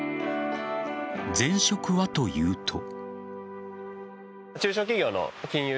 前職はというと。